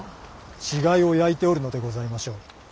死骸を焼いておるのでございましょう。